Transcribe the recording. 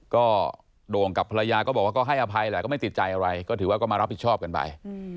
ก็โด่งกับภรรยาก็บอกว่าก็ให้อภัยแหละก็ไม่ติดใจอะไรก็ถือว่าก็มารับผิดชอบกันไป